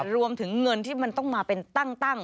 รวมถึงเงินที่มันต้องมาเป็นตั้ง